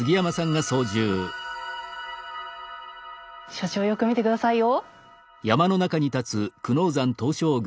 所長よく見て下さいよ。